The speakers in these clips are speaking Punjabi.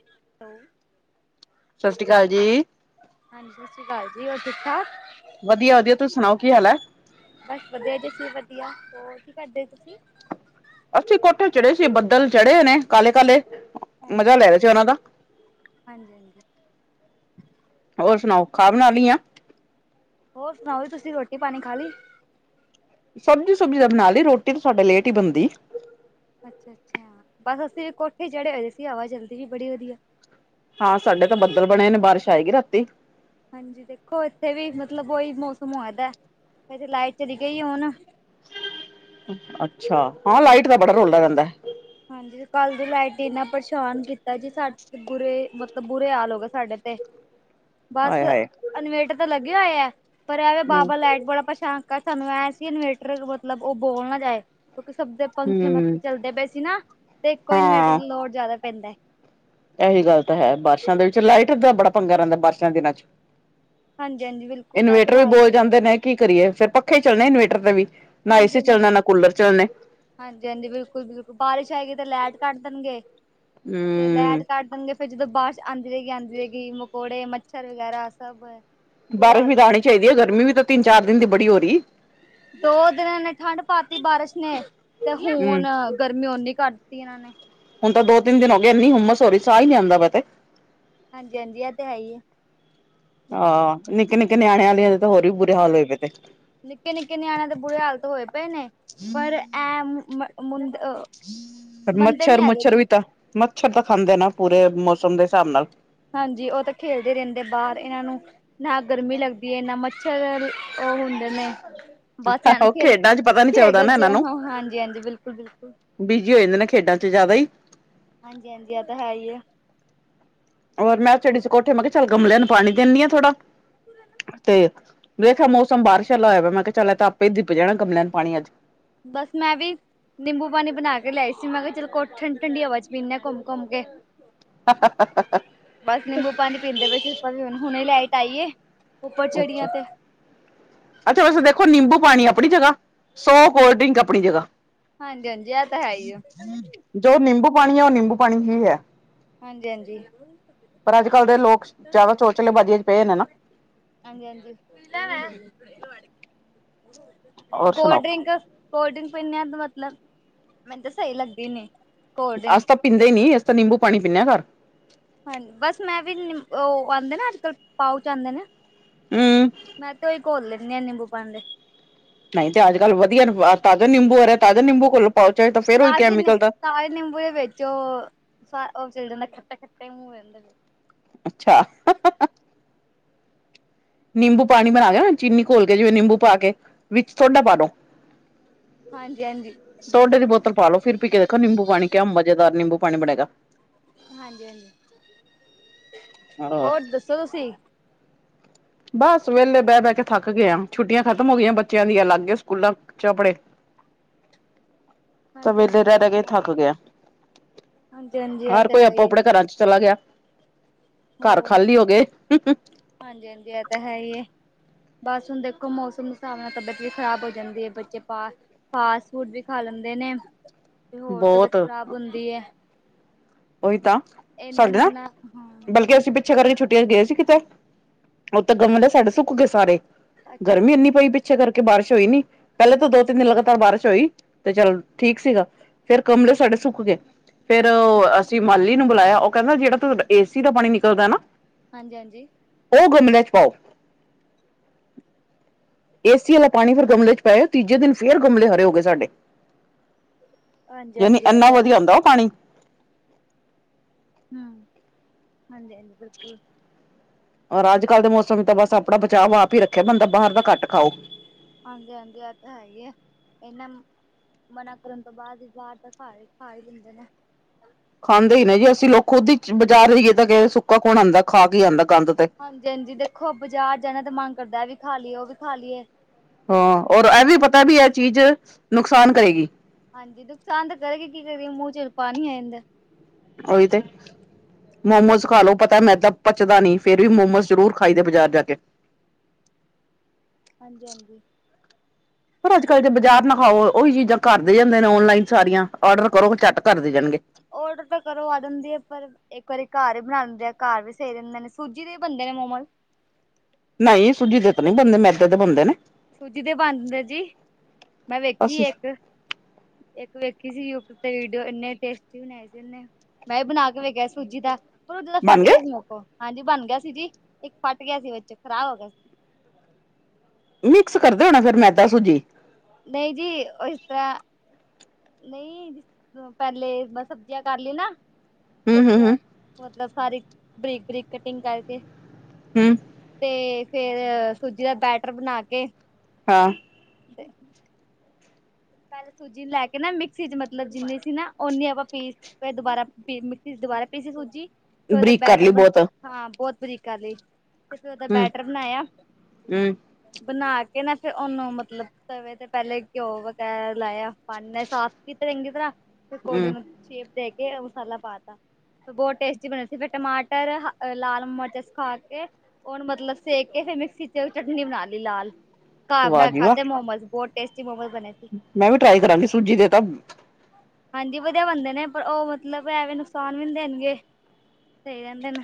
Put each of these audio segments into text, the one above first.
[unintelligible] ਸਸਰੀ ਕਾਲ ਜੀ। ਹਾਂਜੀ ਸਾਛੀ ਕਾਲ ਜੀ ਹੋਰ ਠੀਕ-ਠਾਕ? ਵਦੀਆ-ਵਦੀਆ ਤੁ ਸੁਣਾਓ ਕੀ ਹਾਲ ਐ? ਬਸ ਵਦੀਆ ਜੀ ਅਸੀਂ ਵੀ ਵਦੀਆ, ਹੋਰ ਕੀ ਕਰਦੇ ਸੀ ਤੁਸੀਂ? ਅਸੀਂ ਕੋਠੇ ਚੜੇ ਸੀ, ਬੱਦਲ ਚੜੇ ਹੋਏ ਨੇ ਕਾਲੇ-ਕਾਲੇ। ਹਾਂਜੀ-ਹਾਂਜੀ, ਹਾਂਜੀ-ਹਾਂਜੀ। ਹੋਰ ਸੁਣਾਓ ਖਾ ਬਣਾ ਲੀਆਂ? ਹੋਰ ਸੁਣਾਓ ਜੀ ਤੁਸੀਂ ਰੋਟੀ-ਪਾਣੀ ਖਾ ਲੀ? ਸਬਜ਼ੀ ਸੁਬਜ਼ੀ ਤਾ ਬਣਾ ਲੀ ਰੋਟੀ ਤਾਂ ਸਾਡੇ ਲੇਟ ਈ ਬੰਦੀ। ਅੱਛਾ-ਅੱਛਾ, ਬਸ ਅਸੀਂ ਵੀ ਕੋਠੇ ਚੜੇ ਹੋਏ ਸੀ ਹਵਾ ਚਲਦੀ ਵੀ ਬੜੀ ਵਦੀਆ। ਹਾਂ ਸਾਡੇ ਤਾਂ ਬੱਦਲ ਬਣੇ ਨੇ ਬਾਰਿਸ਼ ਆਏਗੀ ਰਾਤੀ। ਹਾਂਜੀ ਦੇਖੋ ਇੱਥੇ ਵੀ ਮਤਲਬ ਓਈ ਮੌਸਮ ਹੋਏਆ ਦਾ, ਏਥੇ ਲਾਈਟ ਚਲੀ ਗਈ ਏ ਓਨ ਅੱਛਾ, ਹਾਂ ਲਾਈਟ ਦਾ ਬੜਾ ਰੋਲਾ ਰੈਂਦੈ। ਹਾਂਜੀ ਕੱਲ ਦੀ ਲਾਈਟ ਏਨਾ ਪਰੇਸ਼ਾਨ ਕੀਤਾ ਜੀ ਸਾਡੇ ਬੁਰੇ ਮਤਲਬ ਬੁਰੇ ਹਾਲ ਹੋ ਗਏ ਸਾਡੇ ਤੇ। ਬਸ, ਹਾਏ ਹਾਏ ਅਨਵੇੇਟ ਤਾਂ ਲੱਗੇਆ ਹੋਏਐ, ਪਰ ਐਵੇਂ ਹੂੰ ਬਾ-ਬਾ ਲਾਈਟ ਬੜਾ ਪਰੇਸਾ਼ ਸਾਨੂੰ ਐ ਸੀ ਇਨਵੇਟਰ ਮਤਲਬ ਓ ਬੋਲ ਨਾ ਜਾਏ, ਕਿਉਂਕਿ ਸਭ ਦੇ ਪੰਖੇ ਮਸਾ ਹੂੰ ਚੱਲਦੇ ਬਏ ਸ ਨਾ, ਤੇ ਈਕੋ ਇਨਵੇਟਰ ਲੋੜ ਜਾਦਾ ਪੈਂਦਾ ਐ। ਐਹੀ ਗੱਲ ਤਾਂ ਹੈ ਬਾਰਸ਼ਾਂ ਦੇ ਵਿੱਚ ਲਾਈਟ ਦਾ ਬੜਾ ਪੰਗਾ ਰੈਂਦਾ ਬਾਰਸ਼ਾਂ ਦੇ ਦਿਨਾਂ ਚ। ਹਾਂਜੀ-ਹਾਂਜੀ ਬਿਲਕੁਲ ਇਹ ਤੇ ਇਨਵੇਟਰ ਵੀ ਹੈ ਹੀ ਬੋਲ ਜਾਂਦੇ ਨੇ ਕੀ ਕਰੀਏ ਫੇਰ ਪੱਖੇ ਚੱਲਣੇ ਇਨਵੇਟਰ ਤੇ ਵੀ। ਨਾ ਏਸੀ ਹਾਜੀ-ਹਾਜੀ। ਚੱਲਣਾ ਨਾ ਕੂਲਰ ਚੱਲਣੇ ਹਾਂਜੀ-ਹਾਂਜੀ ਬਿਲਕੁਲ ਬਿਲਕੁ ਬਾਰਿਸ਼ ਆਏਗੀ ਤੇ ਲੈਟ ਕੱਢ ਦੇਣਗੇ, ਤੇ ਹੂੰ ਲੈਟ ਕੱਟ [unintelligible] ਫੇਰ ਜਦੋਂ ਬਾਰਸ਼ ਆਂਦੀ ਰਏਗੀ ਆਂਦੀ ਰਏਗੀ ਮਕੌੜੇ, ਮੱਛਰ ਵਗੈਰਾ ਸਭ ਬੁਰਾ ਬਾਰਿਸ਼ ਹਾਲ ਵੀ ਹੋ ਤਾਂ ਆਣੀ ਜਾਂਦਾ ਚਾਈਦੀ ਸਾਡਾ ਏ ਤੇ ਗਰਮੀ ਵੀ ਤਾਂ ਤੇਨ-ਚਾਰ ਦਿਨ ਦੀ ਬੜੀ ਹੋ ਰੀ। ਦੋ ਦਿਨਾਂ ਨੇ ਠੰਡ ਪਾਤੀ ਬਾਰਿਸ਼ ਨੇ, ਤੇ ਹਮ ਹੋਣ ਗਰਮੀ ਓਨੀ ਕਰ ਤੀ ਏਨਾ ਨੇ ਹੁਣ ਤਾਂ ਦੋ-ਤਿਨ ਹੋ ਗੇ ਐਨੀ ਹੁੰਮਸ ਹੋ ਰੀ ਸਾ ਈ ਨੀ ਆਂਦਾ ਪਾ ਤੇ। ਹਾਂਜੀ-ਹਾਂਜੀ ਐ ਤੇ ਹੈ ਈਏ। ਆ, ਨਿੱਕੇ-ਨਿੱਕੇ ਨਿਆਣੇ ਆਲੀਆਂ ਦੇ ਤਾਂ ਹੋਰ ਵੀ ਬੁਰੇ ਹਾਲ ਹੋਏ ਪਏ ਤੇ। ਨਿਕੇ-ਨਿਕੇ ਨਿਆਣੇਆਂ ਦੇ ਬੁੁਰੇ ਹਾਲ ਤ ਹੋਏ ਪਏ ਨੇ, ਪਰ ਐ [unintelligible] ਮੁੰ [inaudible] ਫੇਰ‌ ਮੱਛਰ-ਮੁੱਛਰ ਵੀ ਤਾਂ, ਮੱਛਰ ਤਾਂ ਖਾਂਦੇ ਨਾ ਪੂਰੇ ਮੌਸਮ ਦੇ ਸਾਬ ਨਾਲ। ਹਾਂਜੀ ਓ ਤਾਂ ਖੇਲਦੇ ਰੈਂਦੇ ਬਾਰ ਏਨਾਂ ਨੂੰ ਨਾ ਗਰਮੀ ਲੱਗਦੀ ਏ ਨਾ ਮੱਛਰ, ਓ ਹੁੰਦੇ ਨੇ ਬਸ ਐਨ ਉਹ ਖੇ, ਖੇਡਾਂ ਚ ਪਤਾ ਨੀ ਚੱਲਦਾ ਖੇਡਨ ਚ ਹਾਂ ਹਾਂਜੀ-ਹਾਂਜੀ ਬਿਲਕੁਲ-ਬਿਲਕੁਲ। ਬੀਜੀ ਹੋ ਯਾਦੇ ਖੇਡਨ ਚ ਜਾਦਾ ਈ। ਹਾਂਜੀ-ਹਾਂਜੀ ਐ ਤਾਂ ਹੈ ਈ ਏ। ਔਰ ਮੈਂ ਚੜੀ ਸੀ ਕੋਠੇ ਮੈਂ ਕੇਆ ਚੱਲ ਗਮਲੇਆਂ ਨੂੰ ਪਾਣੀ ਦਿੰਨੀ ਆ ਥੋੜਾ, ਤੇ, ਦੇਖੇਆ ਮੌ ਸਮ ਬਾਰਸ਼ਾ ਆਲਾ ਹੋਏਆ, ਮੈਂ ਕੇਆ ਚਲ ਤਾਂ ਆਪੇ ਈ ਦਿਪ ਜਾਣਾ ਗਮਲੇਆਂ ਨੂੰ ਪਾਣੀ ਅੱਜ। ਬਸ ਮੈਂ ਵੀ ਨਿੰਬੂ ਪਾਣੀ ਬਣਾ ਕੇ ਲਿਆਏ ਸੀ, ਮੈਂ ਕਿਆ ਚਲ ਕੋਠ ਠੰ ਠੰਡੀ ਹਵਾ ਚ ਪੀਨੇ ਘੁੰਮ-ਘੁੰਮ ਕੇ ਬਸ ਨਿੰਬੂ ਪਾਣੀ ਪੀਂਦੇ ਪਏ ਸੀ, ਆਪਾਂ ਵੀ ਹੁਣੇ ਲਾਈਟ ਆਈ ਏ ਉੱਪਰ ਅੱਚਾ। ਚੜੀਆਂ ਤੇ ਅੱਛਾ ਵੈਸੇ ਦੇਖੋ ਨਿੰਬੂ ਪਾਣੀ ਆਪਣੀ ਜਗ੍ਹਾ ਸੌ ਕੋਲਡ ਡਰਿੰਕ ਆਪਣੀ ਜਗ੍ਹਾ ਹਾਂਜੀ ਹਾਂਜੀ ਇਹ ਤਾਂ ਹੈ ਹੀ ਆ। ਜੋ ਨਿੰਬੂ ਪਾਣੀ ਐ ਓ ਨਿੰਬੂ ਪਾਣੀ ਹੀ ਐ। ਹਾਜੀ-ਹਾਜੀ। ਪਰ ਅੱਜ-ਕੱਲ੍ਹ ਦੇ ਲੋਕ ਜਾਦਾ ਚੋਚਲੇ ਬਾਜ਼ੀਆਂ ਚ ਪਏ ਨੇ ਨਾ ਹਾਂਜੀ-ਹਾਂਜੀ [unintelligible] ਓ ਹੋਰ ਕੋਲਡ ਸੁਣਾਓ ਡਰਿੰਕ ਕੋਲਡ ਡਰਿੰਕ ਪੀਨੇ ਆ ਮਤਲਬ ਮੈਨੂੰ ਤਾਂ ਸਈ ਲੱਗਦੀ ਨੀ। ਕੋਲਡ ਅਸੀ ਡਰਿੰਕ ਤਾਂ ਪੀਂਦੇ ਈ ਨੀ ਅਸੀਂ ਤਾਂ ਨਿੰਬੂ ਪਾਣੀ ਪੀਨੇ ਆ ਘਰ। ਹਾਂਜੀ ਬਸ ਮੈਂ ਵੀ ਓ ਆਂਦੇ ਨਾ ਅੱਜ-ਕੱਲ੍ਹ ਪਾਓਚ ਆਉਂਦੇ ਨੇ ਹਮ ਮੈਂ ਤੇ ਓਹੀ ਘੋਲ ਲੈਂਦੀ ਆ ਨਿੰਬੂ ਪਾਣੀ ਦੇ ਨਈ ਤੇ ਅੱਜ-ਕੱਲ ਵਧੀਆ ਨ ਤਾਜ਼ਾ ਨਿੰਬੂ ਆਰਿਆ ਤਾਜ਼ਾ ਨਿੰਬੂ ਘੋਲੋ ਤਾਜੇ ਨੇ ਤਾਜੇ ਨਿੰਬੂ ਦੇ ਵਿਚ ਚ ਓ ਚਲ ਜਾਂਦਾ ਖੱਟੇ-ਖੱਟੇ ਮੂੰਹ ਹੋ ਜਾਂਦੇ ਨੇ ਅੱਛਾ। ਨਿੰਬੂ ਪਾਣੀ ਬਣਾ ਗਿਆ ਨਾ ਚੀਨੀ ਘੋਲ ਕੇ ਜਿਵੇਂ ਨਿੰਬੂ ਪਾ ਕੇ ਵਿੱਚ ਸੋਡਾ ਪਾ ਦੋ। ਹਾਂਜੀ ਹਾਂਜੀ ਸੋਡੇ ਬਿਲਕੁਲ ਦੀ ਬੋਤਲ ਬਿਲਕੁਲ ਪਾ ਲੋ ਫਿਰ ਵੀ ‌ਪੀ ਕੇ ਖ ਨਿੰਬੂ ਪਾਣੀ ਕਿਆ ਮਜ਼ੇਦਾਰ ਨਿੰਬੂ ਪਾਣੀ ਬਣੇਗਾ। ਹਾਂਜੀ-ਹਾਂਜੀ [unintelligible] ਹੋਰ ਦੱਸੋ ਤੁਸੀਂ? ਬਸ ਵੇਲੇ ਬੈ-ਬੈ ਕੇ ਥੱਕ ਗਿਆ ਛੁੱਟੀਆਂ ਖਤਮ ਹੋ ਗਈਆਂ ਬੱਚਿਆਂ ਦੀਆਂ ਲੱਗੇ ਸਕੂਲਾਂ ਚੱਪੜੇ [inaudible] ਤਾਂ ਵੇੇਲੇ ਹਾਂਜੀ ਇਹ ਰੈ-ਰੈ ਤਾਂ ਕੇ ਹੈ ਥੱਕ ਹੀ ਗਿਆ ਆ ਹਾਂਜੀ ਹਾਂਜੀ ਇਹ ਹਰ ਤਾਂ ਕੋਈ ਹੈ ਆਪੋ ਹੀ ਆਪਣੇ ਆ ਘਰਾਂ ਚ ਚਲਾ ਗਿਆ ਘਰ ਖਾਲੀ ਹੋਗੇ। ਹਾਂਜੀ-ਹਾਂਜੀ ਏ ਤਾਂ ਹੈ ਈ ਏ। ਬਸ ਹੁਣ ਦੇਖੋ ਮੌਸਮ ਦੇ ਹਿਸਾਬ ਨਾਲ ਤਬੀਅਤ ਵੀ ਖ਼ਰਾਬ ਹੋ ਜਾਂਦੀ ਐ, ਬੱਚੇ ਪਾ ਫਾਸਟ ਫੂਡ ਵੀ ਖਾ ਲੈਂਦੇ ਨੇ ਤੇ ਹੋਰ ਤਬੀਅਤ ਬਹੁਤ ਖ਼ਰਾਬ ਹੁੰਦੀ ਐ। ਓਹੀ ਤਾਂ ਸਾਡੇ ਨਾ ਮਨਾ ਹਾਂ ਬਲਕਿ ਅਸੀਂ ਪੀ ਪਿੱਛਾ ਕਰਕੇ ਛੁੱਟੀਆਂ ਚ ਗਏ ਸੀ ਕਿਤੇ ਓ ਤਾਂ ਗਮਲੇ ਸਾਡੇ ਸੁੱਕ ਗੇ ਸਾਰੇ ਅੱਛਾ ਗਰਮੀ ਇੰਨੀ ਪਈ ਪਿ ਛੇ ਕਰਕੇ ਬਾਰਿਸ਼ ਹੋਈ ਨੀ ਪੈਲੇ ਤਾਂ ਦੋ ਤਿੰਨ ਦਿਨ ਲਗਾਤਾਰ ਬਾਰਿਸ਼ ਹੋਈ ਤੇ ਚੱਲ ਠੀਕ ਸੀਗਾ ਫਿਰ ਕਮਲੇ ਸਾਡੇ ਸੁੱਕ ਗੇ ਫੇਰ ਓ ਅ ਸੀਂ ਮਾਲੀ ਨੂੰ ਬੁਲਾਇਆ, ਓ ਕੈਂਦਾ ਜੇੜਾ ਥੋ ਏਸੀ ਦਾ ਪਾਣੀ ਨਿਕਲਦਾ ਨਾ ਹਾਂਜੀ-ਹਾਂਜੀ। ਓ ਗਮਲਿਆ ਚ ਪਾਓ। ਏਸੀ ਆਲਾ ਪਾਣੀ ਫਿਰ ਗਮਲੇ ਚ ਪਾਇਆ ਤੀਜੇ ਦਿਨ ਫੇਰ ਗਮਲੇ ਹਰੇ ਹੋ ਗਏ ਸਾਡੇ। ਹਾਂਜੀ ਜਨੀ ਹਾਂਜੀ ਇਹ ਅਨਾ ਤਾਂ ਹੈ ਵਧੀਆ ਹੀ ਹੁੰਦਾ ਓ ਪਾਣੀ। ਹੂੰ ਹਾਂਜੀ-ਹਾਂਜੀ ਬਿਲਕੁਲ। ਔਰ ਅੱਜ ਕੱਲ੍ਹ ਦੇ ਮੌਸਮ ਵਿਚ ਤਾਂ ਬਸ ਆਪਣਾ ਬਚਾਅ ਓ ਆਪ ਈ ਰੱਖੇ ਬੰਦਾ ਬਾਹਰ ਦਾ ਘੱਟ ਖਾਓ। ਹਾਂਜੀ-ਹਾਂਜੀ, ਐ ਤਾਂ ਹੈਗੇ ਆ ਏਨਾਂ ਮਨਾ ਕਰਨ ਤੋਂ ਬਾਦ ਬਾਰ ਤਾਂ ਖਾ-ਖਾ ਈ ਲੀਂਦੇ ਨੇ। ਖਾਂਦੇ ਈ ਨੇ ਜੀ ਅਸੀਂ ਲੋਕ ਖੁਦ ਈ ਬਜ਼ਾਰ ਵੀ ਗਏ ਤਾਂ ਸੁੱਕਾ ਕੌਣ ਆਂਦਾ ਖਾ ਕੇ ਈ ਆਂਦਾ ਗੰਦ ਤੇ। ਹਾਂਜੀ ਹਾਂਜੀ, ਦੇਖੋ ਬਾਜ਼ਾਰ ਜਾਣਾ ਤੇ ਮਨ ਕਰਦਾ ਐ ਵੀ ਖਾ ਲਈਏ ਓ ਵੀ ਖਾ ਲਈਏ ਹਾਂ ਔਰ ਐਵੀਂ ਪਤਾ ਐਹ ਚੀਜ਼ ਨੁਕਸਾਨ ਕਰੇਗੀ। ਹਾਂਜੀ, ਨੁਕਸਾਨ ਤਾਂ ਕਰੇਗੀ ਕੀ ਕਰੀਏ ਮੂੰਹ ਚ ਪਾਣੀ ਆ ਜਾਂਦਾ। ਓਈ ਤੇ। ਮੋਮੋਸ ਖਾਲੋ ਪਤਾ ਮੈਂਦਾ ਪਚਦਾ ਨੀ, ਫੇਰ ਵੀ ਮੋਮੋਸ ਜ਼ਰੂਰ ਖਾਈ ਦੇ ਬਾਜ਼ਾਰ ਜਾ ਕੇ। ਹਾਂਜੀ- ਹਾਂਜੀ। ਪਰ ਅੱਜ ਕੱਲ ਜੇ ਬਾਜ਼ਾਰ ਨਾ ਖਾਓ, ਉਹੀ ਚੀਜ਼ਾਂ ਘਰ ਦੇ ਜਾਂਦੇ ਨੇ ਔਨਲਾਈਨ ਸਾਰੀਆਂ ਔਡਰ ਕਰੋ ਝੱਟ ਘਰ ਦੇ ਜਾਣਗੇ। ਔਡਰ ਤਾਂ ਕਰੋ ਆ ਜਾਂਦੀ ਆ, ਪਰ ਇੱਕ ਵਾਰੀ ਘਰ ਹੀ ਬਣਾ ਦਿੰਦੇ ਆ, ਘਰ ਵੀ ਸਹੀ ਰਹਿੰਦੇ ਨੇ ਸੂਜੀ ਦੇ ਬਣਦੇ ਨੇ ਮੋਮੋਜ। ਨਈ ਸੂਜੀ ਦੇ ਤੇ ਨੀਂ ਬਣਦੇ, ਮੈਦੇ ਦੇ ਬਣਦੇ ਨੇ। ਸੂਜੀ ਦੇ ਵੀ ਬਣਦੇ ਜਾਦੇ ਜੀ, ਮੈਂ ਵੇਖੀ ਅਸੀਂ ਆ ਇੱਕ ਇੱਕ ਵੇਖੀ ਸੀ ਯੂ ਟਿਊਬ ਤੇ ਵੀਡੀਓ ਏਨੇ ਟੇਸਟੀ ਬਣਾਏ ਸੀ ਉਹਨੇ, ਮੈਂ ਵੀ ਬਣਾ ਕੇ ਵੇਖਿਆ ਸੂਜੀ ਦਾ। ਪਰ ਐ ਜਰਾ ਬਣ ਫੱਟ ਗਏ ਗਿਆ ਸੀ ਮੇਕੋ, ਹਾਂਜੀ ਬਣ ਗਿਆ ਸੀ ਜੀ ਇੱਕ ਫਟ ਗਿਆ ਸੀ ਵਿੱਚ ਖ਼ਰਾਬ ਹੋ ਗਿਆ ਸੀ। ਮਿਕਸ ਕਰਦੇ ਹੋਣਾ, ਫਿਰ ਮੈਦਾ ਸੂਜੀ। ਨਹੀਂ ਜੀ ਉਹ ਇਸ ਤਾਂ ਨਈ ਪਹਿਲੇ ਮੈ ਸਬਜ਼ੀਆਂ ਕਰ ਲੀ ਨਾ, ਹੂੰ ਹੂੰ ਸਬਜ਼ੀਆਂ ਹੂੰ ਮਤਲਬ ਸਾਰੀ ਬਰੀਕ- ਬਰੀਕ ਕਟਿੰਗ ਕਰਕੇ। ਹੂੰ। ਤੇ ਫੇਰ ਸੂਜੀ ਦਾ ਬੈਟਰ ਬਣਾ ਕੇ। ਹਾਂ। [unintelligible] ਪਹਿਲੇ ਸੂਜੀ ਨੂੰ ਲੈ ਕੇ ਨਾ ਮਿਕਸੀ 'ਚ ਮਤਲਬ ਜਿੰਨੀ ਸੀ ਨਾ ਓਨੀ ਆਪਾਂ ਪੀਸ ਫਿਰ ਦੁਬਾਰਾ ਮਿਕਸੀ ਚ ਦੁਬਾਰਾ ਪੀਸੀ ਸੂਜੀ। ਫੇਰ ਬਰੀਕ ਕਰ ਬੈਟਰ ਲਈ ਬਣਾ, ਬਹੁਤ ਹਾਂ ਬਹੁਤ ਬਰੀਕ ਕਰ ਲੀ। ਫੇ ਉਹਦਾ ਹੂੰ ਬੈਟਰ ਬਣਾਇਆ। ਹੂੰ ਬਣਾ ਕੇ ਨਾ ਫੇਰ ਉਹਨੂੰ ਮਤਲਬ ਤਵੇਂ ਤੇ ਪਹਿਲੇ ਘਿਓ ਵਗ਼ੈਰਾ ਲਾਇਆ, ਪਾਨੀ ਨਾਲ ਸਾਫ ਕੀਤੇ ਚੰਗੀ ਤਰ੍ਹਾਂ ਫਿਰ ਕੋਲੇ ਹੂੰ ਨੂੰ ਸ਼ੇਪ ਦੇ ਕੇ ਮਸਾਲਾ ਪਾਤਾ, ਤੇ ਬਹੁਤ ਟੇਸਟੀ ਬਣੇ ਸੀ, ਫੇਰ ਟਮਾਟਰ ਹ ਲਾਲ ਮਰਚਾਂ ਸੁੱਖਾ ਕੇ। ਉਹਨੂੰ ਮਤਲਬ ਸੇਕ ਕੇ ਫਿਰ ਮਿਕਸੀ ਚ ਚਟਨੀ ਬਣਾ ਲੀ ਲਾਲ। ਘਰ ਵਾਹ ਬਣਾ ਜੀ ਵਾਹ ਖਾਧੇ ਮੋਮੋਸ ਬਹੁਤ ਟੇਸਟੀ ਮੋਮੋਸ ਬਣੇ ਸੀ। ਮੈਂ ਵੀ ਟਰਾਈ ਕਰਾਂਗੀ ਸੂਜੀ ਦੇ ਤਾਂ ਹਾਂਜੀ ਵਧੀਆ ਬਣਦੇ ਨੇ, ਪਰ ਉਹ ਮਤਲਬ ਐਵੇਂ ਨੁਕਸਾਨ ਵੀ ਨੀਂ ਦੇਣਗੇ‌। ਸਈ ਰਹਿੰਦੇ ਨੇ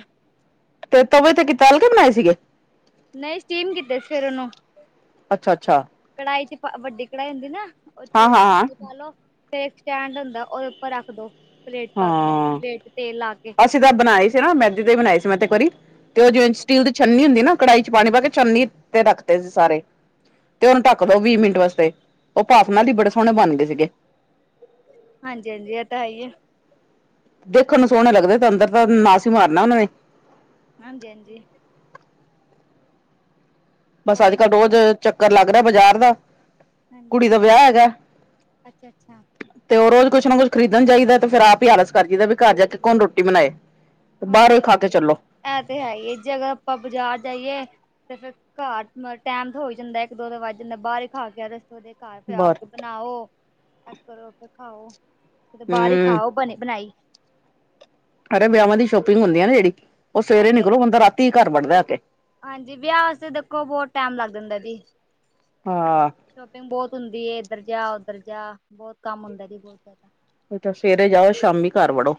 ਤੇ ਤਵੇ ਤੇ ਕੀ ਤਲ ਕੇ ਬਣਾਏ ਸੀਗੇ? ਨਹੀਂ ਸਟੀਮ ਕੀਤੇ ਫਿਰ ਉਹਨੂੰ ਅੱਛਾ-ਅੱਛਾ। ਕੜਾਈ ਚ ਵੱਡੀ ਕੜਾਈ ਹੁੰਦੀ ਨਾ ਉਹ ਚ ਹਾਂ ਹਾਂ ਹਾਂ ਪਾਣੀ ਪਾ ਲੋ ਫੇਰ ਸਟੈਂਡ ਹੁੰਦਾ ਉਹਦੇ ਉੱਪਰ ਰੱਖ ਦੋ ਪਲੇਟ ਚ ਪਾਕੇ ਕੇ, ਹਾਂ ਪਲੇਟ ਚ ਤੇਲ ਲਾ ਕੇ ਤੇ ਮੈ ਤੇ ਇੱਕ ਵਾਰੀ ਤੇ ਉਹ ਜਿਵੇਂ ਸਟੀਲ ਦੀ ਛੰਨੀ ਹੁੰਦੀ ਨਾ ਕੜਾਹੀ ਚ ਪਾਣੀ ਪਾ ਕੇ ਛਨਨੀ ਤੇ ਰੱਖ ਤੇ ਸੀ ਸਾਰੇ। ਤੇ ਉਹਨੂੰ ਢੱਕ ਦੋ ਵੀਹ ਮਿੰਟ ਵਾਸਤੇ ਉਹ ਭਾਫ ਨਾਲ ਈ ਬੜੇ ਸੋਹਣੇ ਬਣਦੇ ਸੀਗੇ। ਹਾਂਜੀ- ਹਾਂਜੀ ਇਹ ਤਾਂ ਹੈ ਈ ਆ। ਦੇਖਣ ਨੂੰ ਸੋਹਣੇ ਲੱਗਦੇ ਤਾਂ ਅੰਦਰ ਤਾਂ ਨਾਸ ਈ ਮਾਰਨਾ ਉਹਨਾਂ ਨੇ ਹਾਂਜੀ-ਹਾਂਜੀ। ਬਸ ਹੋਰ ਅੱਜ ਕੱਲ ਰੋਜ਼ ਦੱਸੋ ਚੱਕਰ ਲੱਗ ਰਿਹਾ ਬਜ਼ਾਰ ਦਾ ਹਾਂਜੀ ਕੁੜੀ ਹਾਂਜੀ ਦਾ ਵਿਆਹ ਹੈਗਾ। ਅੱਛਾ ਅੱਛਾ ਤੇ ਉਹ ਰੋਜ਼ ਕੁੱਛ ਨਾ ਕੁੱਛ ਖਰੀਦਣ ਜਾਈਦਾ ਤੇ ਫਿਰ ਆਪ ਹੀ ਆਲਸ ਕਰ ਜਾਈ ਦੇ ਬੀ ਘਾਰ ਜਾ ਕੇ ਕੌਣ ਰੋਟੀ ਬਣਾਏ ਤੇ ਬਾਹਰੋਂ ਖਾ ਕੇ ਹਾਂਜੀ-ਹਾਂਜੀ ਚੱਲੋ ਇਹ ਤੇ ਹੈ ਹੀ ਏ ਜਦੋਂ ਆਪਾਂ ਬਾਜ਼ਾਰ ਜਾਈਏ ਤੇ ਫੇਰ ਘਰ ਮ ਟੈਮ‌ ਤੇ ਹੋਈ ਜਾਂਦਾ ਇੱਕ ਦੋ ਤੇ ਵੱਜ ਈ ਜਾਂਦਾ ਬਾਹਰ ਹੀ ਖਾ ਕੇ ਆਜੋ ਇਸ ਤੋਂ ਵਧੀਆ ਘਰ ਫਿਰ ਬਾਹਰ ਆਕੇ ਬਣਾਓ [unintelligible] ਫਿਰ ਖਾਓ ਕਿਤੇ ਬਾਹਰ ਹੀ ਹੂੰ ਖਾਓ ਬਣੀ ਬਣਾਈ ਅਰੇ ਵਿਆਹਾਵਾਂ ਦੀ ਸ਼ੋਪਿੰਗ ਹੁੰਦੀ ਆ ਨਾ ਜਿਹੜੀ ਉਹ ਸਵੇਰੇ ਨਿਕਲੋ ਹਾਂਜੀ-ਹਾਂਜੀ ਹਾਂਜੀ ਬੰਦਾ ਰਾਤੀ ਘਰ ਵੱਡਦਾ ਆ ਕੇ ਹਾਂਜੀ ਵਿਆਹ ਵਾਸਤੇ ਦੇਖੋ ਬਹੁਤ ਟੈਮ ਲੱਗ ਜਾਂਦਾ ਏ ਜੀ ਹਾਂ ਸ਼ੋਪਿੰਗ ਬਹੁਤ ਹੁੰਦੀ ਏ ਇੱਧਰ ਜਾ ਉੱਧਰ ਜਾ ਬਹੁਤ ਕੰਮ ਹੁੰਦਾ ਜੀ ਬਹੁਤ ਜ਼ਿਆਦਾ [unintelligible] ਸਵੇਰੇ ਜਾਓ ਸ਼ਾਮੀ ਘਰ ਵੜੋ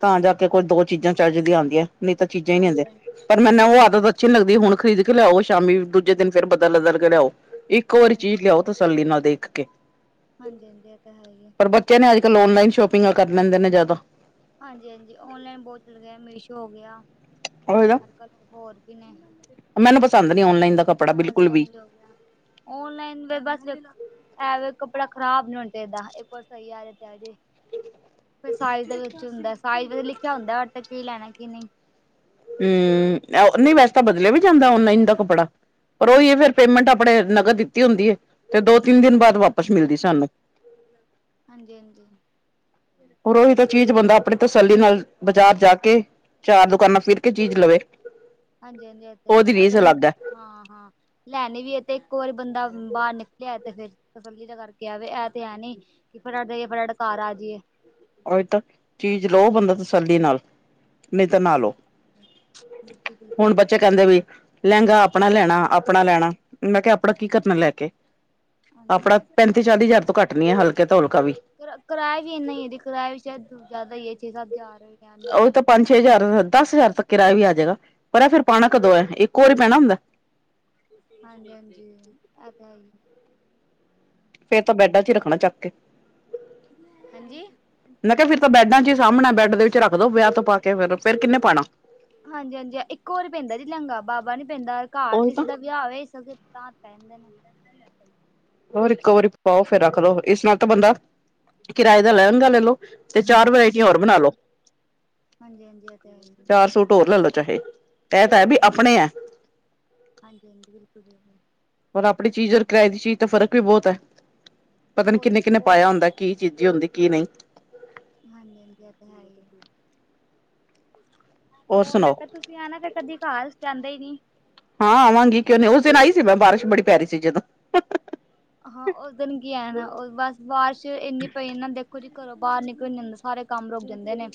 ਤਾਂ ਜਾ ਕੇ ਕੋਈ ਦੋ ਚੀਜ਼ਾਂ ਚਜਦੀਆਂ ਆਦੀਆਂ ਨਹੀਂ ਤਾਂ ਚੀਜ਼ਾਂ ਹੀ ਨਹੀਂ ਆਂਦੇ ਹਾਂਜੀ-ਹਾਂਜੀ ਪਰ ਮੈਨੂੰ ਉਹ ਆਦਤ ਅੱਛੀ ਨੀ ਲੱਗਦੀ ਹੁਣ ਖਰੀਦ ਕੇ ਲਿਆਉ ਸ਼ਾਮੀ ਦੂਜੇ ਦਿਨ ਫਿਰ ਬਦਲ ਬਦਲ ਕੇ ਲਿਆਓ ਇੱਕੋ ਵਾਰੀ ਚੀਜ਼ ਹਾਂਜੀ-ਹਾਂਜੀ ਲਿਆਓ ਤਸੱਲੀ ਨਾਲ ਦੇਖ ਕੇ ਹਾਂਜੀ ਹਾਂਜੀ ਏਹ ਤਾਂ ਹੈ ਹੀ ਐ ਤੇ ਨਾ ਅੱਜ ਕੱਲ ਔਨਲਾਈਨ ਸ਼ੋਪਿੰਗਾ ਕਰ ਲੈਂਦੇ ਨੇ ਜ਼ਿਆਦਾ ਹਾਂਜੀ ਹਾਂਜੀ ਔਨਲਾਈਨ ਬਹੁਤ ਚੱਲ ਗਿਆ ਮੀਸ਼ੋ ਹੋ ਗਿਆ ਉਹੀ ਨਾ ਅੱਜ ਕੱਲ ਹੋਰ ਵੀ ਨੇ ਮੈਨੂੰ ਪਸੰਦ ਨੀ ਔਨਲਾਈਨ ਦਾ ਕੱਪੜਾ ਬਿਲਕੁਲ ਐਮਾਜ਼ੋਨ ਵੀ ਹੋ ਗਿਆ ਔਨਲਾਈਨ ਤੇ ਬਸ ਦੇ ਐ ਵੇ ਕੱਪੜਾ ਖਰਾਬ ਨੀ ਹੋਣਾ ਚਾਹੀਦਾ ਇੱਕ ਵਾਰ ਸਹੀ ਆਜੇ ਤੇ ਆਜੇ ਫਿਰ ਸਾਈਜ਼ ਦੇ ਵਿੱਚ ਹੁੰਦਾ ਸਾਈਜ਼ ਵੀ ਲਿਖਿਆ ਹੁੰਦਾ [unintelligible] ਕੀ ਲੈਣਾ ਕੀ ਨਹੀਂ ਹਮ ਨਹੀਂ ਐ ਨਹੀਂ ਵੈਸੇ ਤਾਂ ਬਦਲਿਆ ਵੀ ਜਾਂਦਾ ਔਨਲਾਈਨ ਦਾ ਕੱਪੜਾ ਪਰ ਉਹੀ ਹੈ ਫਿਰ ਪੇਮੈਂਟ ਆਪਣੇ ਨਗਦ ਦਿੱਤੀ ਹੁੰਦੀ ਹੈ ਤੇ ਦੋ ਤਿੰਨ ਦਿਨ ਬਾਅਦ ਵਾਪਿਸ ਮਿਲਦੀ ਸਾਨੂੰ ਹਾਂਜੀ ਹਾਂਜੀ ਹੋਰ ਉਹੀ ਤਾਂ ਚੀਜ਼ ਬੰਦਾ ਆਪਣੀ ਤਸੱਲੀ ਨਾਲ ਬਾਜ਼ਾਰ ਜਾ ਕੇ ਚਾਰ ਦੁਕਾਨਾਂ ਫਿਰ ਕੇ ਚੀਜ ਲਵੇ ਹਾਂਜੀ ਹਾਂਜੀ ਏਹ ਤਾਂ ਹੈ ਹੀ ਉਹਦੀ ਏ ਰੀਸ ਅਗਰ ਅਲੱਗ ਹੈ ਹਾਂ ਹਾਂ ਲੈਣੀ ਵੀ ਹੈ ਤੇ ਇੱਕੋ ਵਾਰੀ ਬੰਦਾ ਬਾਹਰ ਨਿਕਲਿਆ ਤੇ ਫਿਰ ਤਸੱਲੀ ਤਾ ਕਰਕੇ ਆਵੇ ਇਹ ਤੇ ਹੈ ਨੀ ਕੀ ਫਟਾਫਟ ਗਈ ਏ ਫਟਾਫਟ ਘਰ ਆ ਜੀਏ ਓਹੀ ਤੋਂ ਚੀਜ਼ ਲਓ ਬੰਦਾ ਤਸੱਲੀ ਨਾਲ ਨਹੀਂ ਤਾਂ ਨਾ ਲਓ ਬਿਲਕੁਲ ਹੁਣ ਬਿਲਕੁਲ ਬੱਚੇ ਕਹਿੰਦੇ ਵੀ ਲਹਿੰਗਾ ਆਪਣਾ ਲੈਣਾ ਆਪਣਾ ਲੈਣਾ ਮੈਂ ਕਿਹਾ ਆਪਣਾ ਕੀ ਕਰਨਾ ਲੈ ਕੇ ਆਪਣਾ ਹਾਂਜੀ ਪੈਂਤੀ ਚਾਲੀ ਹਜ਼ਾਰ ਤੋਂ ਘੱਟ ਨੀ ਹੈ ਹਲਕੇ ਤੋਂ ਹਲਕਾ ਵੀ [unintelligible] ਜਿਆਦਾ ਹੀ ਏ ਛੇ ਸੱਤ ਹਜਾਰ ਉਹੀ ਤਾਂ ਪੰਜ ਛੇ ਹਜ਼ਾਰ ਦਸ ਹਜ਼ਾਰ ਤੱਕ ਕਿਰਾਇਆ ਵੀ ਆ ਜਾਏਗਾ ਪਰ ਫ਼ੇਰ ਪਾਣਾ ਕਦੋਂ ਹੈ ਇੱਕੋ ਵਾਰੀ ਪੈਣਾ ਹੁੰਦਾ ਹਾਂਜੀ ਹਾਂਜੀ ਏਹ ਤਾਂ ਹੈ ਹੀ ਫ਼ੇਰ ਤਾਂ ਬੈਡਾਂ ਚ ਹੀ ਰੱਖਣਾ ਚੱਕ ਕੇ ਹਾਂਜੀ ਮੈਂ ਕਿਹਾ ਫ਼ਿਰ ਤਾਂ ਬੈਡਾਂ ਚ ਹੀ ਸਾਹਮਣਾ ਬੈਂਡ ਦੇ ਵਿੱਚ ਰੱਖ ਦੋ ਵਿਆਹ ਤੋਂ ਪਾ ਕੇ ਫਿਰ ਫ਼ੇਰ ਕਿੰਨੇ ਪਾਣਾ ਹਾਂਜੀ ਹਾਂਜੀ ਇੱਕੋ ਵਾਰੀ ਪੈਂਦਾ ਜੀ ਲਹਿੰਗਾ ਬਾਰ ਬਾਰ ਨੀ ਪੈਂਦਾ ਘਰ ਉਹੀ ਤਾਂ ਕਿਸੇ ਦਾ ਵਿਆਹ ਆਵੇ [unintelligible] ਤਾਂ ਪੈ ਜਾਂਦਾ [unintelligible] ਹੋਰ ਇੱਕੋ ਵਰੀ ਪਾਓ ਫ਼ੇਰ ਰੱਖ ਦਓ ਇਸ ਨਾਲ ਤਾਂ ਬੰਦਾ ਕਿਰਾਏ ਦਾ ਲਹਿੰਗਾ ਲ ਲੋ ਤੇ ਚਾਰ ਵਰਾਇਟੀਆਂ ਹੋਰ ਬਣਾ ਲੋ ਹਾਂਜੀ ਹਾਂਜੀ ਇਹ ਤੇ ਹੈ ਹੀ ਚਾਰ ਸੂਟ ਹੋਰ ਲੈ ਲੋ ਚਾਹੇ ਐ ਤਾਂ ਹੈ ਬੀ ਹਾਂ ਹਾਂਜੀ ਆਪਣੇ ਐ ਹਾਂਜੀ ਹਾਂਜੀ ਬਿਲਕੁਲ ਬਿਲਕੁਲ ਔਰ ਆਪਣੀ ਚੀਜ਼ ਔਰ ਕਿਰਾਏ ਦੀ ਚੀਜ਼ ਤਾਂ ਫ਼ਰਕ ਵੀ ਬਹੁਤ ਹੈ ਪਤਾ ਨੀ ਬਹੁਤ ਕਿੰਨੇ ਕਿੰਨ ਬਹੁਤ ਪਾਇਆ ਹੁੰਦਾ ਜ਼ਿਆਦਾ ਕੀ ਚੀਜ਼ੀ ਹੁੰਦੀ ਕੀ ਨਹੀਂ ਹਾਂਜੀ-ਹਾਂਜੀ ਏ ਤੇ ਹੈ ਈ ਏ, ਹੋਰ ਹੋ ਮੈਂ ਸੁਣਾਓ ਕੈ ਤੁਸ ਸੀਂ ਆਣਾ ਤੇ ਕਦੀ ਘਰ ਤੁਸੀਂ ਤੇ ਆਂਦੇ ਈ ਨੀ। ਹਾਂ ਆਵਾਂਗੀ ਕੇ ਨੇ ਉਸ ਦਿਨ ਆਈ ਸੀ ਮੈਂ ਬਾਰਿਸ਼ ਬੜੀ ਪੈ ਰੀ ਸੀ ਜਦੋਂ। ਹਾਂ ਉਸ ਦਿਨ ਕੀ ਆਣਾ ਓ ਬਸ ਬਾਰਿਸ਼ ਇੰਨੀ ਪਈ ਨਾ ਦੇਖੋਂ ਜੀ ਘਰੋਂ ਬਾਰ ਨਿਕਲੋ ਨੀ ਜਾਂ ਸਾਰੇ ਕੰਮ ਰੁਕ ਜਾਂਦੇ ਨੇ।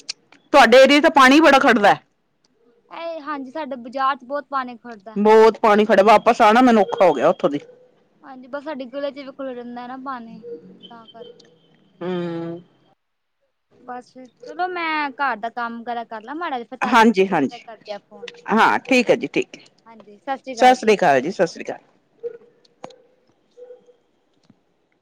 ਤੁਹਾਡੇ ਏਰੀਏ 'ਚ ਪਾਣੀ ਬੜਾ ਖੜਦਾ ਐ। ਏ ਹਾਂਜੀ ਸਾਡੇ ਬਾਜ਼ਾਰ 'ਚ ਬੋਤ ਪਾਣੀ ਖੜਦੈ। ਬੋਤ ਪਾਣੀ ਖੜੇ ਵਾਪਸ ਆਣਾ ਮੈਨੂੰ ਔਖਾ ਹੋ ਗਿਆ ਉੱਥੋਂ ਦੀ। ਹਾਂਜੀ ਬਸ ਸਾਡੀ ਗਲੀਆਂ ਚ ਵੀ ਖੜਾ ਰੈਂਦਾ ਨਾ ਪਾਣੀ ਤਾਂ ਕਰਕੇ। ਹੂੰ। ਬਸ ਜੀ ਚਲੋ ਮੈਂ ਘਰ ਦਾ ਕੰਮ ਵਗੈਰਾ ਕਰ ਲਾ ਮਾੜਾ ਜਾ ਪਤਾ ਮੈਂ ਥੋੜੀ ਦੇਰ ਹਾਂਜੀ-ਹਾਂਜੀ ਕਰਦੀ ਆ ਫ਼ੋਨ। ਹਾਂ ਠੀਕ ਹੈ ਜੀ ਠੀਕ ਹੈ ਹਾਂਜੀ ਸ਼ ਸ਼੍ਰੀ ਸਤਿ ਕਾਲ ਸ੍ਰੀ ਜੀ। ਅਕਾਲ ਸਤਿ ਸ੍ਰੀ ਅਕਾਲ।